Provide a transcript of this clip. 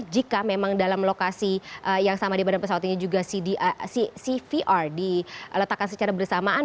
jika memang dalam lokasi yang sama di badan pesawat ini juga cvr diletakkan secara bersamaan